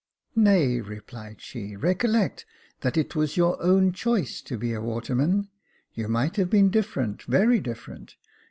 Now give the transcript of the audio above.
39^ Jacob Faithful "Nay," replied she, "recollect that it was your own choice to be a waterman. You might have been different — very different.